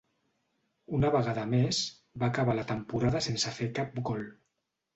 Una vegada més, va acabar la temporada sense fer cap gol.